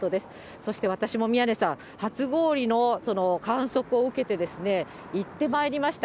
そして私も宮根さん、初氷の観測を受けて、行ってまいりました。